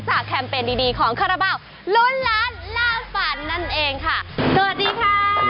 จากแคมเปญดีของคราบาลรุนล้านลาฝันนั่นเองค่ะ